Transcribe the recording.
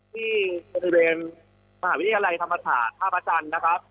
ที่บริเวณมหาวิทยาลัยธรรมศาสตร์ท่าพระจันทร์นะครับ